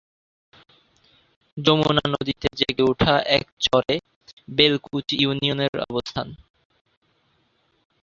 যমুনা নদীতে জেগে ওঠা এক চরে বেলকুচি ইউনিয়নের অবস্থান।